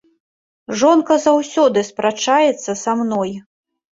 Жонка заўсёды спрачаецца са мной.